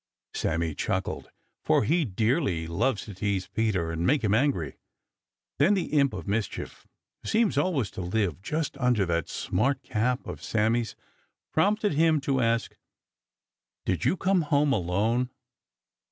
Sammy chuckled, for he dearly loves to tease Peter and make him angry. Then the imp of mischief, who seems always to live just under that smart cap of Sammy's, prompted him to ask: "Did you come home alone?"